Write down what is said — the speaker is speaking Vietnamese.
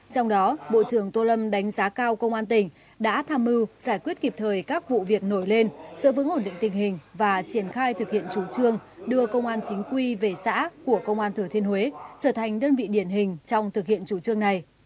trong đó bộ trưởng tô lâm đánh giá cao công an tỉnh đã tham mưu giải quyết kịp thời các vụ việc nổi lên sự vững ổn định tình hình và triển khai thực hiện chủ trương đưa công an chính quy về xã của công an thừa thiên huế trở thành đơn vị điển hình trong thực hiện chủ trương này